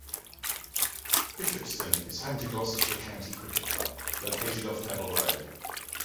Bishopston is home to Gloucestershire County Cricket Club, located off Nevil Road.